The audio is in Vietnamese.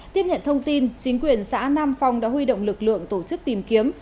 tiếp nhận thông tin chính quyền xã nam phong đã huy động lực lượng tổ chức tìm kiếm